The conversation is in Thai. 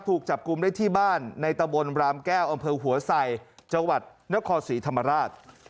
ถูกจับกลุ่มได้ที่บ้านในตะบนรามแก้วอำเภอหัวไสจังหวัดนครศรีธรรมราช